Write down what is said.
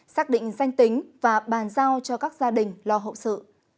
xác định danh tính và bàn giao cho các gia đình lo hậu sự